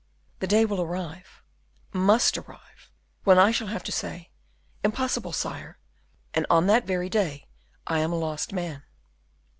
The day will arrive must arrive when I shall have to say, 'Impossible, sire,' and on that very day I am a lost man."